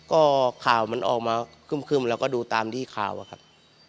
ก็ข่าวมันออกมาครึ่มแล้วก็ดูตามที่ข่าวอะครับ